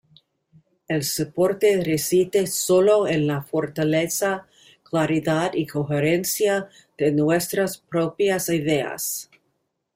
El soporte reside sólo en la fortaleza, claridad y coherencia de nuestras propias ideas.